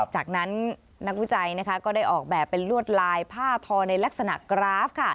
จากนั้นนักวิจัยก็ได้ออกแบบเป็นลวดลายผ้าทอในลักษณะกราฟ